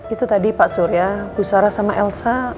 itu tadi pak surya bu sara sama elsa